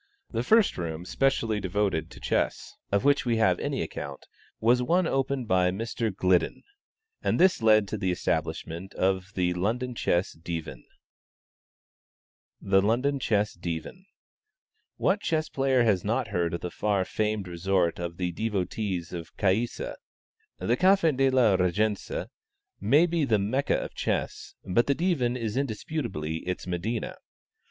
The first room specially devoted to chess, of which we have any account, was one opened by Mr. Gliddon, and this led to the establishment of the London Chess Divan. THE LONDON CHESS DIVAN. What chess player has not heard of the far famed resort of the devotees of Caïssa? The Café de la Régence may be the Mecca of chess, but the Divan is indisputably its Medina.